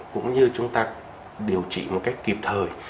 cũng như chúng ta điều trị một cách kịp thời